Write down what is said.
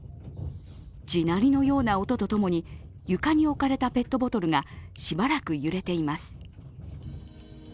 地鳴りのような音と共に、床に置かれたペットボトルがしばらく揺れています。